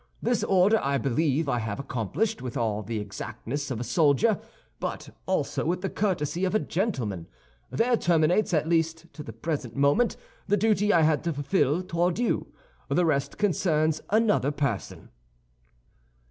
This order I believe I have accomplished with all the exactness of a soldier, but also with the courtesy of a gentleman. There terminates, at least to the present moment, the duty I had to fulfill toward you; the rest concerns another person."